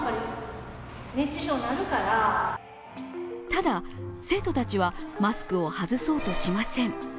ただ、生徒たちはマスクを外そうとしません。